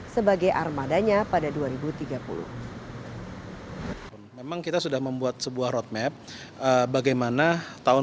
sebagai armada jalanan